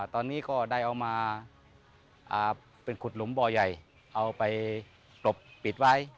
ตอนนี้ก็ได้เอามาเป็นขุดหลุมบ่อใหญ่เอาไปกลบปิดไว้